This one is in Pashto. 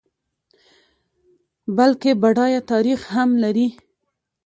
بلکه بډایه تاریخ هم لري.